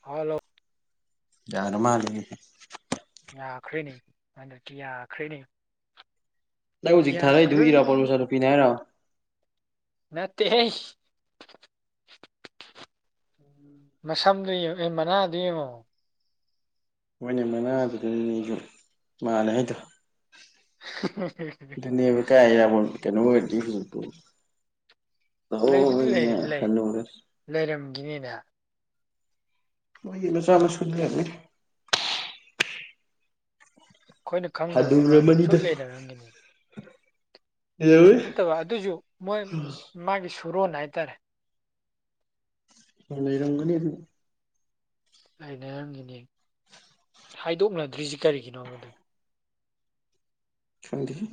hello ꯌꯥꯔ ꯃꯥꯜꯂꯤꯅꯦ ꯌꯥꯈ꯭ꯔꯦꯅꯦ ꯍꯟꯗꯛꯇꯤ ꯌꯥꯈ꯭ꯔꯦꯅꯦ ꯅꯥꯏ ꯍꯧꯖꯤꯛ ꯌꯥꯈ꯭ꯔꯦ ꯊꯥꯔꯛꯏꯗꯨꯕꯩ ꯏꯔꯥꯕꯣꯠ ꯃꯆꯥ ꯅꯨꯄꯤꯅꯤ ꯍꯥꯏꯔꯣ ꯅꯠꯇꯦꯍꯦ [inaudible] ꯃꯁꯝꯒ ꯌꯦꯡꯉꯣ ꯑꯦ ꯃꯅꯥꯗꯨ ꯌꯦꯡꯉꯣ ꯍꯣꯏꯅꯦ ꯃꯅꯥ ꯗꯨꯗꯅꯤꯅꯦ ꯑꯩꯁꯨ ꯃꯥꯜꯂꯦ ꯍꯥꯏꯗꯣ [unintelligible] ꯑꯗꯨꯅꯦꯕ ꯀꯥꯏ ꯏꯔꯥꯕꯣꯠ ꯀꯩꯅꯣ ꯑꯣꯏꯕꯗꯤ [unintelligible] [unintelligible] ꯂꯩꯔꯝꯒꯤꯅꯤꯗ ꯃꯣꯏꯒꯤ ꯃꯆꯥ ꯃꯁꯨꯨꯗꯤ ꯂꯩꯔꯝꯒꯤꯅꯤ ꯑꯩꯈꯣꯏꯅ ꯈꯪꯗꯕꯩ ꯋꯥꯅꯦ ꯍꯅꯨꯔꯝꯃꯅꯤꯗ ꯁꯣꯏ ꯂꯩꯅꯔꯝꯒꯤꯅꯤ ꯅꯠꯇꯕ ꯑꯗꯣꯏꯖꯨ ꯃꯣꯏ ꯂꯩꯔꯝꯃꯅꯤ ꯃꯥꯒꯤ ꯁꯨꯔꯣꯟ ꯍꯥꯏꯇꯥꯔꯦ ꯑ ꯂꯩꯔꯝꯒꯅꯤ ꯑꯗꯨ ꯑꯩꯅ ꯍꯪꯉꯤꯅꯤ ꯍꯥꯏꯗꯣꯛꯅꯗ꯭ꯔꯤꯖꯤ ꯀꯔꯤꯒꯤꯅꯣꯕ ꯑꯗꯨ ꯈꯪꯗꯦꯍꯦ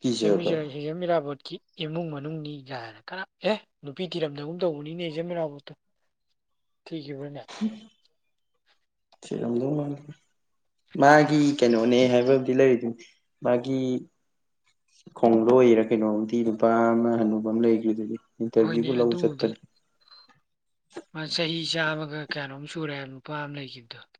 ꯀꯤꯖꯕ ꯍꯤꯖꯝ ꯏꯔꯥꯕꯣꯠꯀꯤ ꯏꯃꯨꯡ ꯃꯅꯨꯡꯅꯤ ꯒꯥꯏꯅ [unintelligible] ꯑꯦ ꯅꯨꯄꯤ ꯊꯤꯔꯝꯗꯒꯨꯝ ꯇꯧꯕꯅꯤꯅꯦ ꯍꯤꯖꯝ ꯏꯔꯥꯕꯣꯠꯇꯣ ꯊꯤꯈꯤꯕ꯭ꯔꯅꯦ ꯊꯤꯔꯝꯗꯧ ꯃꯥꯟꯗꯦ ꯃꯥꯒꯤ ꯀꯩꯅꯣꯅꯦ ꯍꯥꯏꯕ ꯏ ꯂꯩꯔꯤꯗꯨꯗꯤ ꯃꯥꯒꯤ ꯈꯣꯡꯂꯣꯏꯔꯥ ꯀꯩꯅꯣꯝꯗꯤ ꯅꯨꯄꯥ ꯑꯃ ꯍꯟꯅꯨꯕ ꯑꯃ ꯂꯩꯗꯨ ꯗꯨꯗꯤ ꯍꯣꯏꯅꯦ ꯏꯟꯇ꯭ꯔꯚ꯭ꯌꯨꯕꯨ ꯂꯧ ꯑꯗꯨꯕꯨꯗꯤ ꯆꯠꯄꯅꯤ ꯃꯥ ꯆꯍꯤ ꯆꯥꯝꯃꯒ ꯀꯋꯥꯅꯣꯝ ꯁꯨꯔꯦ ꯍꯥꯏꯕ ꯅꯨꯄꯥ ꯑꯃ ꯂꯩꯒꯤꯕꯗꯣ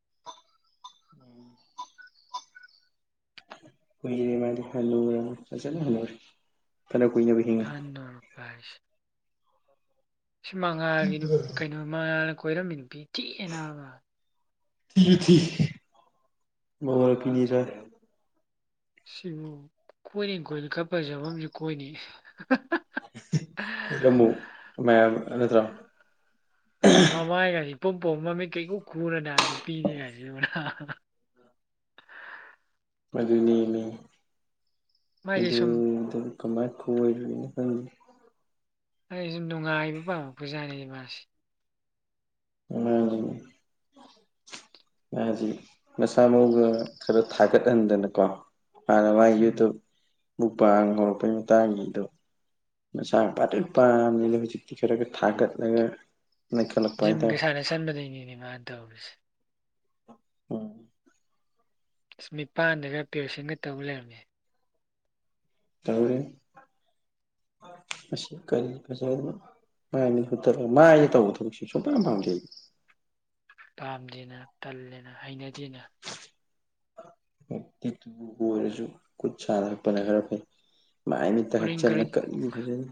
ꯀꯨꯏꯔꯦ ꯃꯥꯗꯨ ꯍꯅꯨꯔꯝꯅꯤ ꯐꯖꯅ ꯍꯅꯨꯔꯦ ꯐꯅꯥ ꯀꯨꯏꯅꯕꯨ ꯍꯤꯡ ꯑꯍꯟ ꯑꯣꯏꯔꯛꯄ ꯍꯥꯏꯁꯦ ꯁꯤ ꯃꯉꯥꯜꯒꯤ ꯅꯨꯞ ꯀꯩꯅꯣ ꯃꯉꯥꯜꯅ ꯀꯣꯏꯔꯝꯃꯤ ꯅꯨꯄꯤ ꯊꯤꯍꯦ ꯅꯥꯕꯥ ꯊꯤꯖꯨ ꯊꯤ ꯃꯧ ꯍꯜꯂꯛꯄꯤꯅꯦꯖꯨ ꯍꯥꯏ ꯁꯤꯕꯨ ꯀꯣꯏꯅꯤ ꯀꯣꯏꯔꯗꯤ ꯈꯔ ꯐꯖꯕ ꯑꯝꯖꯨ ꯀꯣꯏꯅꯤ ꯀꯣꯏꯔꯝꯃꯨ ꯃꯌꯥꯝ ꯅꯠꯇ꯭ꯔ ꯑꯗꯨꯅꯦ ꯃꯃꯥꯏꯒꯥꯏ ꯏꯄꯣꯝ ꯄꯣꯝ ꯃꯃꯤꯠꯀ ꯏꯈꯨ ꯈꯨꯔꯅ ꯅꯨꯄꯤꯅꯤ ꯒꯥꯏꯅ [unintelligible] ꯑꯗꯨꯅꯦꯃꯤ ꯃꯥꯁꯦ ꯁꯨꯝ ꯑꯗꯨꯗꯕꯨ ꯀꯃꯥꯏꯟ ꯀꯣꯏꯔꯨꯅꯣ ꯈꯪꯗꯦ ꯑꯩꯖꯨ ꯅꯨꯡꯉꯥꯏꯕ ꯄꯥꯝꯃꯛꯄꯖꯥꯠꯅꯤꯗ ꯃꯥꯖꯦ [unintelligible] ꯃꯥꯖꯤ ꯃꯁꯥ ꯃꯎꯒ ꯈꯔ ꯊꯥꯒꯠꯍꯟꯗꯅꯀꯣ ꯍꯥꯟꯅ ꯃꯥꯥꯏ ꯎꯝ ꯌꯨꯇꯨꯕ ꯃꯨꯛꯕꯥꯡ ꯍꯧꯔꯛꯄꯩ ꯃꯇꯥꯡꯒꯤꯗꯣ ꯃꯁꯥꯅ ꯄꯥꯇ꯭ꯔꯤꯛ ꯄꯥꯔꯝꯅꯤꯅ ꯍꯧꯖꯤꯛꯇꯤ ꯈꯔꯒ ꯊꯥꯒꯠꯂꯒ ꯅꯩꯈꯠꯂꯛꯄ ꯖꯤꯝꯒ ꯍꯥꯏꯇꯥꯔꯦ ꯁꯥꯟꯅ ꯁꯟꯕꯗꯩꯅꯤꯅꯦ ꯃꯥꯅ ꯇꯧꯔꯤꯖꯦ ꯎꯝ ꯏꯁ ꯃꯤꯄꯥꯟꯗꯒ ꯄꯤꯌꯔꯁꯤꯟꯒ ꯇꯧ ꯂꯩꯔꯝꯃꯦ ꯇꯧꯔꯤꯅꯤ ꯑꯁꯤꯕꯨ ꯀꯔꯤ ꯐꯖꯕꯅꯣ ꯃꯥꯥꯏ ꯃꯤꯠ ꯍꯨꯠꯇꯅ ꯃꯥꯏꯗ ꯇꯧꯕ ꯊꯕꯛꯁꯦ ꯁꯨꯛꯄꯥꯝ ꯄꯥꯝꯗꯦ ꯑꯩꯗꯤ ꯄꯥꯝꯗꯦꯅ ꯇꯜꯂꯦꯅ ꯍꯩꯅꯗꯦꯅ ꯇꯦꯇꯨꯕꯨ ꯑꯣꯏꯔꯖꯨ ꯈꯨꯠ ꯁꯥꯗ ꯍꯛꯄꯅ ꯈꯔ ꯐꯩ ꯃꯥꯏ ꯃꯤꯠꯇ ꯎꯔꯤꯡ ꯈꯔ ꯍꯛꯆꯜꯂ ꯀꯔꯤꯕꯨ ꯐꯖꯅꯤ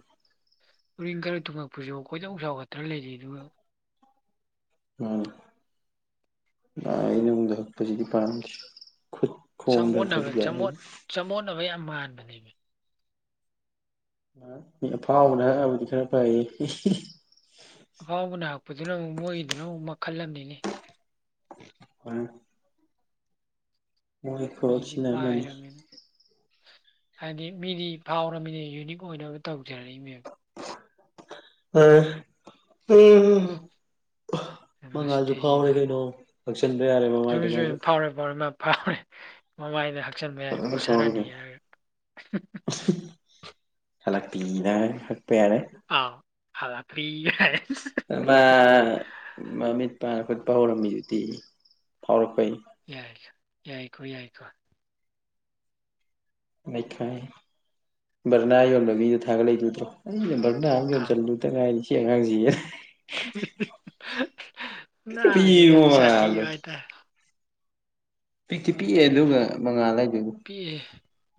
ꯎꯔꯤꯡ ꯈꯔ ꯊꯨꯡꯉꯛꯄꯖꯤꯕꯥꯎ ꯈꯣꯏꯗꯧ ꯁꯥꯎꯒꯠꯇꯅ ꯂꯩꯔꯤ ꯑꯗꯨꯒ ꯎꯝ ꯃꯥꯢꯅꯨꯡꯗ ꯍꯛꯄꯖꯤꯗꯤ ꯄꯥꯝꯗꯦ ꯈꯨꯠ ꯈꯣꯡꯗ ꯍꯛꯄꯗꯤ ꯌꯥꯏ ꯑꯩꯗꯤ ꯆꯝꯃꯣꯠꯅꯕ ꯌꯥꯝ ꯃꯥꯟꯕꯅꯦꯃꯤ ꯑꯥ ꯃꯤ ꯑꯐꯥꯎꯕꯅ ꯍꯛꯑꯕꯨꯗꯤ ꯈꯔ ꯐꯩꯌꯦ ꯑꯐꯥꯎꯕꯅ ꯍꯛꯄꯗꯨꯅ ꯑꯃꯨꯛ ꯃꯣꯏꯒꯤꯗꯨꯅ ꯑꯃꯨꯛ ꯃꯈꯜ ꯑꯝꯅꯤꯅꯦ [unintelligible] ꯃꯣꯏ ꯃꯤꯗꯤ ꯈꯨꯍꯛꯁꯤꯅ ꯑꯃꯅꯤ ꯄꯥꯏꯔꯝꯅꯤꯅ ꯍꯥꯏꯗꯤ ꯃꯤꯗꯤ ꯐꯥꯎꯔꯝꯅꯤꯅ ꯌꯨꯅꯤꯛ ꯑꯣꯏꯅꯕ ꯇꯧꯖꯔꯤꯝꯅꯦꯕ [unintelligible] [inaudible] ꯃꯉꯥꯜꯁꯨ ꯐꯥꯎꯔꯦ ꯃꯁꯤꯗꯩꯖꯤꯗ ꯀꯩꯅꯣ ꯍꯛꯆꯟꯕ ꯌꯥꯔꯦ ꯃꯃꯥꯏꯗꯣ ꯃꯥꯁꯨ [unintelligible] ꯃꯥ ꯐꯥꯎꯔꯦ ꯃꯃꯥꯏꯗ ꯍꯛꯆꯟꯕ ꯌꯥꯔꯦ ꯐꯖꯅ ꯐꯥꯎꯔꯦ ꯎꯁꯥꯔꯥꯅꯤ ꯀꯩꯅꯣ ꯍꯥꯏꯔꯒ ꯍꯜꯂꯛꯄꯤꯅ ꯍꯛꯄ ꯌꯥꯔꯦ ꯑꯥꯎ ꯍꯜꯂꯛꯄꯤ [unintelligible] ꯅꯃꯥ ꯃꯃꯤꯠ ꯄꯥꯟ ꯍꯨꯠꯄ ꯍꯧꯔꯝꯃꯤꯗꯨꯗꯤ ꯐꯥꯎꯔꯛꯄꯩꯅꯤ ꯌꯥꯏꯒ ꯌꯥꯏꯀꯣ ꯌꯥꯏꯀꯣ ꯅꯩꯈꯥꯏ ꯕꯔꯅ ꯌꯣꯟꯕ ꯃꯤꯗꯣ ꯊꯒꯠꯂꯛꯏꯗꯣ ꯎꯗꯔꯣ ꯑꯩꯅ ꯕꯔꯅ ꯑꯝ ꯑꯥ ꯌꯣꯟꯖꯜꯂꯨ ꯇꯥ ꯉꯤꯢꯔꯤ ꯁꯤ ꯑꯉꯥꯡꯖꯤ ꯌꯥꯢ [unintelligible] ꯅ ꯄꯤꯕ ꯍꯧꯖꯤꯛꯀꯥꯟꯁꯤ ꯃꯉꯥꯜꯗꯣ ꯁꯥꯊꯤꯕ ꯍꯥꯏꯇꯥꯔꯦ ꯄꯤꯛꯇꯤ ꯄꯤꯛꯑꯦ ꯑꯗꯨꯒ ꯃꯉꯥꯜ ꯍꯥꯢꯗꯨꯕꯨ ꯄꯤꯛꯑꯦ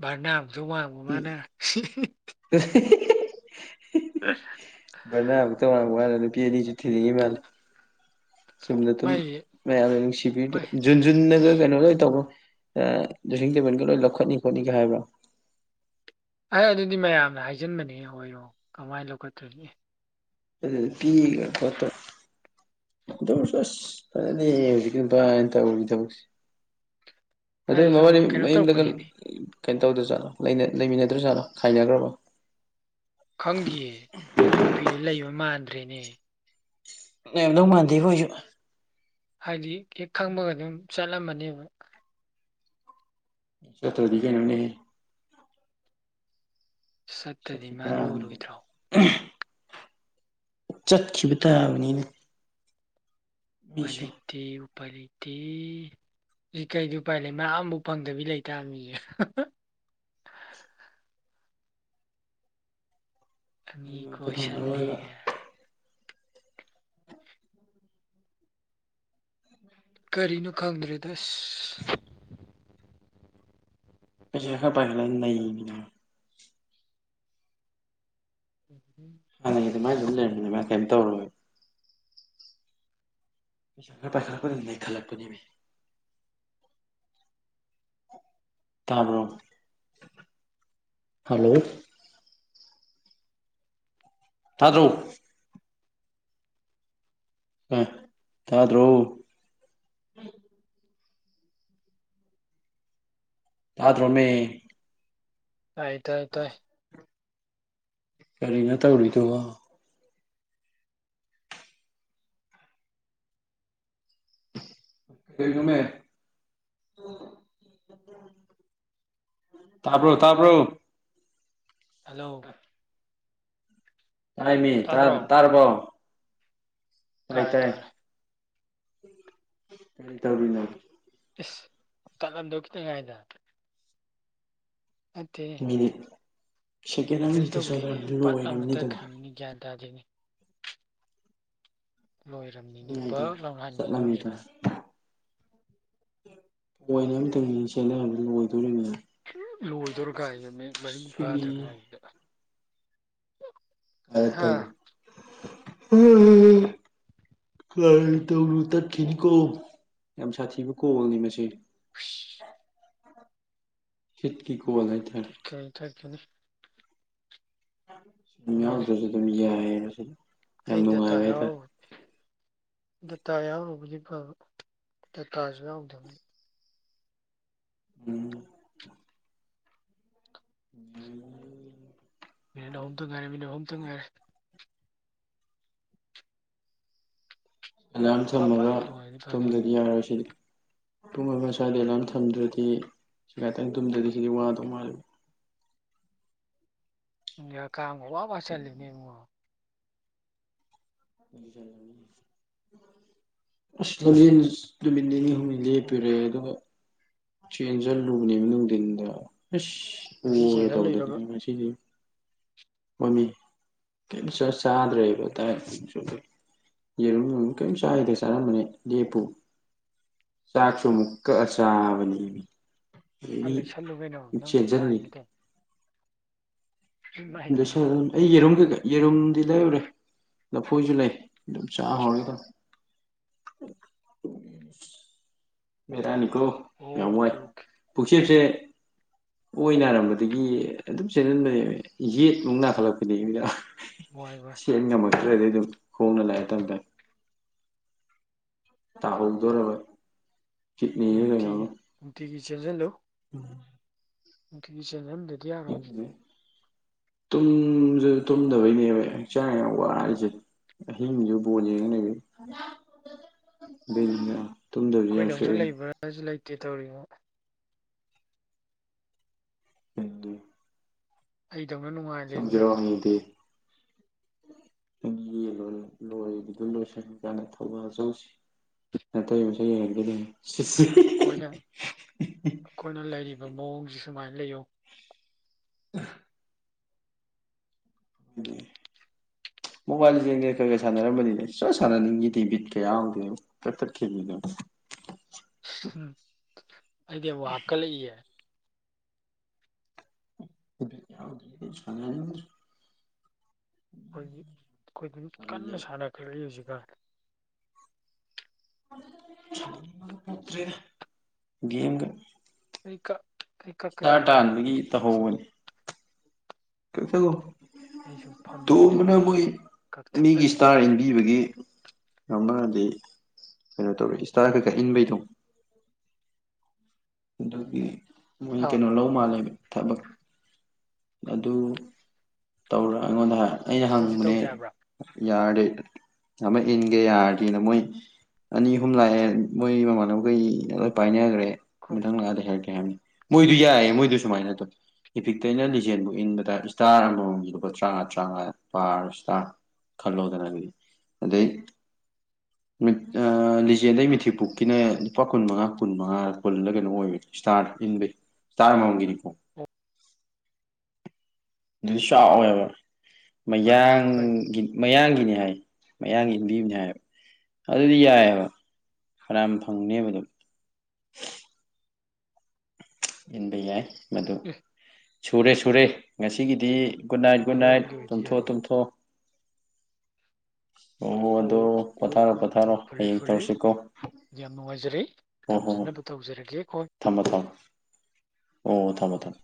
ꯕꯔꯅ ꯃꯨꯛꯇꯪ ꯋꯥꯡ ꯄꯤ ꯃꯥꯅ [unintelligible] ꯕꯔꯅꯥ ꯃꯨꯛꯇꯪ ꯋꯥꯥꯡ ꯃꯅꯥ ꯅꯨꯄꯤ ꯑꯅꯤꯁꯨ ꯊꯤꯅꯤꯡꯉꯤ ꯃꯥꯜꯂꯦ ꯆꯨꯝꯅ ꯗꯨꯝ ꯃꯥꯏꯁꯦ ꯃꯌꯥꯝꯅ ꯍꯣꯏ ꯅꯨꯡꯁꯤꯕꯤꯔꯤꯗꯨꯗ ꯖꯨꯟ ꯖꯨꯟꯅꯒ ꯀꯩꯅꯣ ꯂꯣꯏ ꯇꯧꯒ꯭ꯔꯝ ꯗ꯭ꯔꯦꯁꯤꯡ ꯇꯦꯕꯜꯒ ꯂꯣꯏ ꯂꯧꯈꯠꯅꯤ ꯈꯣꯠꯅꯤꯒ ꯍꯥꯏꯕ꯭ꯔꯣ ꯍꯦ ꯑꯗꯨꯗꯤ ꯃꯌꯥꯝꯅ ꯍꯥꯏꯖꯤꯟꯕꯅꯤꯍꯦ ꯍꯣꯏꯔꯣꯡ ꯀꯃꯥꯏꯅ ꯂꯧꯈꯠꯇꯣꯔꯤꯒꯦ ꯑꯗꯨꯗ ꯄꯤꯒ ꯈꯣꯠꯇ ꯑꯗꯨꯑꯣꯢꯔꯁꯨ ꯑꯁ ꯐꯖꯗꯦꯍꯦ ꯍꯧꯖꯤꯛꯀꯤ ꯅꯨꯄꯥ ꯅ ꯇꯧꯔꯤ ꯊꯕꯛꯁꯤ ꯑꯩ ꯑꯗꯨꯢ ꯁꯨꯝ ꯃꯕꯥꯅꯤ ꯀꯩꯅꯣ ꯃꯌꯨꯝꯗꯒ ꯇꯧꯔꯛꯄꯅꯦꯃꯤ ꯀꯩꯅꯣ ꯇꯧꯗ꯭ꯔꯖꯥꯠꯅꯣ ꯂꯩꯃꯤꯟꯅꯗ꯭ꯔꯥꯖꯥꯠꯂꯣ ꯈꯥꯏꯅꯒ꯭ꯔꯕꯣ ꯈꯪꯗꯤꯌꯦ ꯃꯥꯥꯏ ꯅꯨꯄꯤꯗꯨ ꯂꯩꯕ ꯃꯥꯟꯗ꯭ꯔꯦꯅꯦ ꯂꯩꯔꯝꯗꯧ ꯃꯥꯟꯗꯦꯕꯨ ꯑꯩꯁꯨ ꯍꯥꯏꯗꯤ ꯍꯦꯛ ꯈꯪꯕꯒꯗꯤ ꯑꯗꯨꯝ ꯆꯠꯂꯝꯃꯅꯦꯕ ꯆꯠꯇꯔꯗꯤ ꯀꯩꯅꯣꯅꯦꯍꯦ ꯆꯠꯇꯗꯤ ꯆꯠꯈꯤ ꯃꯥ ꯇꯥꯕꯅꯤ ꯂꯣꯏꯔꯣꯏꯗ꯭ꯔꯣ ꯆꯠꯈꯤꯕ ꯇꯥꯕꯅꯤꯅꯦ ꯎꯄꯥꯢ ꯃꯤꯁꯨ ꯂꯩꯇꯦ ꯎꯄꯥꯢ ꯂꯩꯇꯦ ꯑꯦ ꯀꯩꯗꯤ ꯎꯄꯥꯏ ꯂꯩ ꯃꯥ ꯑꯝꯕꯥꯎ ꯐꯪꯗꯕꯤ ꯂꯩꯇꯥꯥꯝꯅꯤ [unintelligible] ꯑꯗꯨ ꯑꯅꯤ ꯑꯝꯇ ꯐꯪꯉꯔꯣꯏꯕ ꯀꯣꯏꯁꯤꯜꯂꯦꯒꯥ ꯀꯔꯤꯅꯣ ꯈꯪꯗ꯭ꯔꯦꯗ ꯑꯁ ꯄꯩꯁꯥ ꯈꯔ ꯄꯥꯏꯈꯠꯂꯒ ꯅꯩꯕꯗꯨ ꯎꯝ ꯎꯝ ꯍꯥꯟꯅꯩ ꯑꯗꯨꯃꯥꯢ ꯗꯨꯝ ꯂꯩꯔꯝꯃꯗꯤ ꯃꯥ ꯀꯩꯝ ꯇꯧꯔꯣꯏꯦ ꯄꯩꯁꯥ ꯈꯔ ꯄꯥꯏꯈꯠꯂꯛꯄꯗꯩ ꯅꯩꯈꯠꯂꯛꯄꯤꯅꯦꯃꯤ ꯇꯥꯕ꯭ꯔꯣ ꯍꯜꯂꯣ ꯇꯥꯗ꯭ꯔꯣ ꯑꯥꯢ ꯇꯥꯗ꯭ꯔꯣ ꯇꯥꯗ꯭ꯔꯣꯃꯤ ꯇꯥꯏ ꯇꯥꯏ ꯇꯥꯢ ꯀꯔꯤꯅꯣ ꯇꯧꯔꯤꯗꯨꯕꯣ ꯀꯔꯤꯅꯣꯃꯦ ꯇꯥꯕ꯭ꯔꯣ ꯇꯥꯕ꯭ꯔꯣ ꯍꯜꯂꯣ ꯇꯥꯏꯃꯤ ꯇꯔ ꯇꯥꯗ꯭ꯔꯣ ꯇꯥꯔꯕꯣ ꯇꯥꯏ ꯇꯥꯔꯦ ꯇꯥꯏ ꯇꯥꯔꯦ ꯀꯔꯤ ꯇꯧꯔꯤꯅꯣ ꯏꯁ ꯇꯠꯂꯝꯗꯧ ꯈꯤꯇꯪ ꯉꯥꯏꯗ ꯅꯠꯇꯦ ꯃꯤꯅꯤꯠ ꯁꯦꯀꯦꯟ ꯑꯃ ꯅꯤꯇ ꯆꯣꯟꯗꯔꯝꯃꯗꯤ ꯂꯣꯏꯔꯝꯅꯤ ꯑꯗꯨꯝ ꯃꯤ ꯒ꯭ꯌꯥꯟ ꯇꯥꯗꯦꯅꯦ ꯂꯣꯏꯔꯝꯅꯤꯅꯦ ꯉꯩꯗ ꯚꯛ ꯂꯥꯎ ꯍꯟꯒꯤꯗꯣꯔꯤꯅꯤ ꯆꯠꯂꯝꯃꯤꯗ ꯍꯥ ꯄꯣꯢꯟ ꯑꯝꯇꯪ ꯆꯦꯟꯅꯔꯝꯕꯗ ꯂꯣꯢꯗꯣꯔꯤꯝꯅꯤ ꯂꯣꯏꯗꯣꯔꯀꯥꯟꯁꯤꯗ ꯃꯤꯅꯤꯠ ꯃꯔꯤ ꯐꯥꯗ꯭ꯔ ꯀꯥꯟꯁꯤꯗ ꯑ ꯇꯝ [unintelligible] ꯀꯔꯟ ꯇꯧꯔꯨꯅꯨ ꯇꯠꯈꯤꯅꯤꯀꯣ ꯌꯥꯝ ꯁꯥꯊꯤꯕ ꯀꯣꯜꯅꯤ ꯃꯁꯤ ꯍꯨꯢꯁ ꯍꯤꯠꯀꯤ ꯀꯣꯜ ꯍꯥꯢ ꯇꯥꯔꯦ [unintelligible] ꯅꯪ ꯌꯥꯎ ꯗ꯭ꯔꯁꯨ ꯑꯗꯨꯝ ꯌꯥꯏ ꯍꯥꯏꯁꯤꯅꯤ ꯑꯩꯗꯦꯠꯇ ꯌꯥꯎꯔ [inaudible] ꯗꯇꯥ ꯌꯥꯎꯔꯨꯕꯗꯤ ꯐꯕ ꯗꯇꯥꯁꯨ ꯌꯥꯎꯗꯕꯅꯤ ꯎꯝ ꯎ ꯃꯤꯅꯤꯠ ꯑꯍꯨꯝꯇꯪ ꯉꯥꯏꯔꯦ ꯃꯤꯅꯤꯠ ꯑꯍꯨꯝꯇꯪ ꯉꯥꯏꯔꯦ ꯑꯦꯂꯥꯔꯝ ꯐꯠ ꯊꯝꯃꯒ ꯐꯠ ꯂꯣꯏꯔꯗꯤ ꯐꯗꯧꯅꯤ ꯇꯨꯝꯝꯗꯗꯤ ꯌꯥꯔꯣꯏꯁꯤꯗꯤ ꯄꯨꯡ ꯑꯃ ꯁ꯭ꯋꯥꯏꯗ ꯑꯦꯂꯥꯝ ꯊꯝꯗ꯭ꯔꯗꯤ ꯉꯥꯥꯇꯪ ꯇꯨꯝꯗ꯭ꯔꯗꯤ ꯁꯤꯗꯤ ꯋꯥꯗꯧ ꯃꯥꯜꯂꯤ ꯅꯪꯗꯤ ꯍꯥꯀꯝꯒ ꯋꯥ ꯋꯥ ꯆꯜꯂꯦꯅꯦ ꯏꯕꯨꯡꯉꯣ [inaudible] ꯑꯁ ꯗꯨꯗꯤ [inaudible] ꯅꯨꯃꯤꯠ ꯅꯤꯅꯤ ꯅꯪ ꯂꯦꯞꯄꯤꯔꯦ ꯑꯗꯨꯒ ꯆꯦꯟꯁꯤꯜꯂꯨꯕꯅꯦ ꯅꯨꯡꯊꯤꯟꯗ ꯑꯁ ꯉꯁꯤ ꯎꯒꯦ ꯇꯧꯗꯅꯦ ꯆꯦꯟꯁꯤꯜꯂꯨꯏꯔꯕ ꯉꯥꯁꯤꯗꯤ ꯃꯃꯤ ꯀꯩꯝꯇ ꯆꯔ ꯆꯥꯗ꯭ꯔꯦꯕ ꯇꯥꯏꯁꯨ ꯌꯦꯔꯨꯝ ꯒꯨꯝ ꯀꯔꯤꯝ ꯆꯥꯌꯗꯦ ꯆꯥꯔꯝꯕꯅꯦ ꯂꯦꯞꯄꯨ ꯆꯥꯛꯁꯨ ꯑꯥꯃꯨꯛ ꯀꯛꯑ ꯆꯥꯕꯅꯤ ꯑꯩꯗꯤ ꯈꯔ ꯂꯩꯁꯜꯂꯨ ꯀꯩꯅꯣ ꯑꯗꯩꯗꯤ ꯅꯪ ꯆꯦꯟꯖꯟꯅꯤ ꯅꯍꯥꯟꯒꯤꯗꯣ ꯏꯃꯥꯏ ꯄꯦꯝ ꯗꯦꯁꯔꯟ ꯑꯩ ꯌꯦꯔꯨꯝ ꯀꯩ ꯀꯩ ꯌꯦꯔꯨꯝꯗꯤ ꯂꯩꯔꯨꯔꯦ ꯂꯐꯣꯏꯁꯨ ꯂꯩ ꯑꯗꯨꯝ ꯆꯥꯍꯧꯔꯦ ꯕꯦꯔꯥꯅꯤꯀꯣ ꯌꯥꯝ ꯋꯥꯏ ꯑꯣꯀꯦ ꯑꯣꯀꯦ ꯄꯨꯈꯆꯦꯞꯁꯦ ꯑꯣꯏ ꯅꯥꯔꯝꯕꯗꯒꯤ ꯑꯗꯨꯝ ꯆꯦꯜꯍꯟꯕꯅꯦꯃꯤ ꯌꯦꯠ ꯑꯃꯨꯛ ꯅꯥꯈꯠꯂꯛꯄꯤꯅꯥꯃꯤ ꯋꯥꯏ ꯋꯥꯏ ꯆꯥꯟ ꯉꯝꯃꯛꯇ꯭ꯔ ꯑꯗꯥꯏ ꯑꯗꯨꯝ ꯈꯣꯡꯅ ꯂꯥꯛꯑꯦ ꯇꯞ ꯇꯞꯅ ꯇ ꯍꯧꯗꯣꯔꯕ ꯅꯨꯡꯇꯤꯒꯤ ꯅꯨꯡꯇꯤꯒꯤ ꯆꯦꯟꯁꯤꯜꯂꯨ ꯎꯝ ꯅꯨꯡꯇꯤꯒꯤ ꯆꯦꯟꯍꯟꯗꯗꯤ ꯌꯥꯔꯣꯏ ꯇꯨꯝꯁꯨ ꯇꯨꯝꯗꯕꯩꯅꯦꯃꯤ ꯍꯛꯆꯥꯡ ꯌꯥꯝ ꯋꯥꯔꯤꯁꯤ ꯍꯤꯡꯁꯨ ꯕꯣꯟ ꯌꯦꯡꯂꯩ ꯑꯗꯨꯏꯅꯤꯅ ꯇꯨꯝꯗꯕꯁꯨ ꯌꯥꯝ ꯑꯩꯈꯣꯏꯗꯧꯅ ꯁꯣꯛꯑꯦ ꯂꯩꯕ꯭ꯔꯥꯁꯨ ꯂꯩꯇꯦ ꯇꯧꯔꯤꯉꯣ ꯎꯝꯝ ꯑꯩꯗꯧꯅ ꯅꯨꯡꯉꯥꯏꯅ ꯂꯩꯌꯨꯅꯦ ꯅꯪ ꯌꯦ ꯂꯣꯏ ꯂꯣꯏꯕꯗꯣ ꯂꯣꯏꯁꯤꯟꯕ ꯀꯥꯟꯗ ꯊꯧꯕꯥꯜ ꯆꯠꯂꯨꯁꯤ ꯅꯇꯩ ꯃꯁꯨ ꯌꯦꯡꯉꯛꯀꯅꯦ ꯁꯤꯁ ꯑꯩꯈꯣꯏꯅ ꯑꯩꯈꯣꯏꯅ ꯂꯩꯔꯤꯕ ꯃꯑꯣꯡꯁꯤ ꯁꯨꯃꯥꯏꯅ ꯂꯩꯌꯣ ꯎ ꯎꯝꯃ ꯃꯣꯕꯥꯏꯜ ꯂꯤꯡꯖꯟꯒ ꯈꯔ ꯈꯔ ꯁꯥꯟꯅꯔꯝꯕꯅꯤꯅꯦ ꯁꯨꯡ ꯁꯥꯟ ꯁꯟꯅꯅꯤꯡꯒꯤꯗꯦ ꯕꯤꯠ ꯀ ꯌꯥꯎꯗꯦꯕꯣ ꯀꯛꯊꯠ ꯈꯤꯃꯤꯅ ꯎꯝ ꯑꯩꯗꯤ ꯑꯃꯨꯛ ꯍꯞꯀꯠꯂꯛꯏꯌꯦ [inaudible] ꯌꯥꯎꯗꯔ꯭ꯗꯤ ꯑꯩ ꯁꯅꯥꯅꯤꯡ ꯗꯦ ꯑꯩꯈꯣꯏꯒꯤ ꯑꯩꯈꯣꯏꯗꯨꯝ ꯇꯜꯂꯦ ꯀꯟꯅ ꯁꯥꯟꯅꯈꯠꯂꯛꯏ ꯍꯧꯖꯤꯀꯟ [inaudible] ꯠꯇꯦ ꯒꯦꯝꯒ ꯑꯩꯀꯛ ꯏꯁꯇꯥꯔ ꯑꯩꯀꯛꯀꯗꯣꯏꯃꯤꯍꯦ ꯇꯥꯟꯕꯒꯤ ꯑꯩꯅꯥ ꯁꯨꯝ ꯀꯛꯁꯒꯣ ꯑꯩ ꯁꯨꯝ [inaudible] ꯐꯝꯖꯤꯜꯂ ꯇꯣꯝꯕꯅ ꯃꯣꯏ ꯂꯩꯕꯅꯤ ꯃꯤꯒꯤ ꯀꯛꯊꯠꯂꯒ ꯏꯁꯇꯥꯔ ꯏꯟꯕꯤꯕꯒꯤ ꯌꯥꯎꯔꯅꯗꯤ ꯀꯩꯅꯣꯇꯧꯔ ꯏꯁꯇꯥꯔ ꯀꯥꯏ ꯀ ꯏꯟꯕꯩꯗꯣ ꯑꯗꯨꯒꯤ ꯃꯣꯏ ꯑꯥ ꯀꯩꯅꯣ ꯂꯧ ꯃꯥꯜꯂꯦ ꯊꯕꯛ ꯑꯗꯨ ꯇꯧꯔ ꯑꯩꯉꯣꯟꯗ ꯑꯩꯅ ꯑꯩꯈꯣꯏꯁꯨ ꯍꯪꯕꯅꯦ ꯇꯧꯖꯦ ꯍꯥꯏꯕ꯭ꯔꯥ ꯌꯥꯔꯗꯤ ꯑꯃ ꯏꯟꯒꯦ ꯌꯥꯔꯗꯤꯅ ꯃꯣꯏ ꯑꯅꯤ ꯑꯍꯨꯝ ꯂꯥꯛꯑꯦ ꯃꯣꯏ ꯃꯃꯥꯟꯅꯕꯈꯩ ꯂꯣꯏ ꯄꯥꯏꯅꯈ꯭ꯔꯦ ꯑꯩꯈꯣꯏ ꯃꯊꯪ ꯂꯥꯛꯑꯗꯤ ꯍꯥꯏꯔꯛꯀꯦ ꯍꯥꯏꯕꯅꯤ ꯃꯣꯏꯗꯨ ꯌꯥꯏꯑꯌꯦ ꯃꯣꯏꯗꯨ ꯁꯨꯃꯥꯏꯅ ꯇꯧ ꯏꯐꯤꯛꯇꯩꯅ ꯂꯤꯁ [unintelligible] ꯏꯟꯕꯗ ꯏꯁꯇꯥꯔ ꯑꯃꯃꯝꯒꯤ ꯂꯨꯄꯥ ꯇꯔꯥꯉꯥ ꯇꯔꯥꯉꯥ ꯄꯥꯔ ꯏꯁꯇꯥ ꯈꯜꯂꯣꯗꯅ ꯑꯗꯨꯗꯤ ꯑꯗꯩ ꯃꯤꯠ ꯂꯤꯖꯦꯜꯗꯩ ꯃꯤꯊꯤꯛꯄꯣꯛꯀꯤꯅ ꯂꯨꯄꯥ ꯀꯨꯟꯃꯉꯥ ꯀꯨꯟꯃꯉꯥ ꯀꯨꯜꯂ ꯀꯩꯅꯣꯝ ꯑꯣꯏꯒꯤꯕꯅꯤ ꯏꯁꯇꯥꯔ ꯏꯟꯕꯩ ꯁꯇꯥꯔ ꯑꯃꯃꯝꯒꯤꯅꯤꯀꯣ ꯑꯗꯨꯗꯤ ꯆꯥꯎꯋꯦꯕ ꯅꯨꯡꯉꯥꯏꯅ ꯐꯥꯎꯅꯔꯤ ꯃꯌꯥꯡꯒꯤ ꯃꯌꯥꯡꯒꯤꯅꯤ ꯍꯥꯏ ꯃꯌꯥꯡꯒꯤ ꯏꯟꯕꯤꯕꯅꯤ ꯍꯥꯏꯕ ꯑꯗꯨꯗꯤ ꯌꯥꯏꯑꯦꯕ [unintelligible] ꯐꯪꯅꯦꯕ ꯑꯗꯨꯝ [unintelligible] ꯏꯟꯕ ꯌꯥꯏ ꯃꯗꯨ [unintelligible] ꯁꯨꯔꯦ ꯁꯨꯔꯦ ꯉꯁꯤꯒꯤꯗꯤ ꯒꯨꯠ ꯅꯥꯏꯠ ꯒꯨꯠ ꯅꯥꯏꯠ ꯃꯌꯥꯡꯒꯤ ꯑꯣꯏꯗꯤ ꯇꯨꯝꯊꯣꯛ ꯌꯥꯏ ꯇꯨꯝꯊꯣꯛ ꯑꯣ ꯑꯗꯣ ꯑꯣ ꯄꯣꯊꯥꯔꯣ ꯑꯣ ꯄꯣꯊꯥꯔꯣ ꯑꯣ ꯐꯔꯦ ꯍꯌꯦꯡ ꯐꯔꯦ ꯇꯧꯔꯁꯤꯀꯣ ꯌꯥꯝ ꯅꯨꯡꯉꯥꯏꯖꯔꯦ ꯍꯣ ꯍꯣ ꯍꯣ ꯊꯝꯖꯅꯕ ꯇꯧꯖꯔꯒꯦ ꯀꯣ ꯊꯝꯃꯣ ꯊꯝꯃꯣ ꯑꯣ ꯊꯝꯃꯣ ꯊꯝꯃꯣ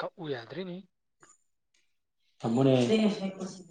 ꯀꯛꯎ ꯌꯥꯗ꯭ꯔꯦꯅꯦ [unintelligible]